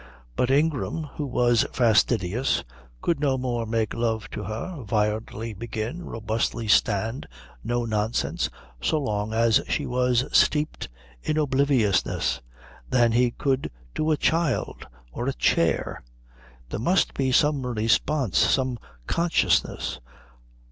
But Ingram, who was fastidious, could no more make love to her, violently begin, robustly stand no nonsense, so long as she was steeped in obliviousness, than he could to a child or a chair. There must be some response, some consciousness.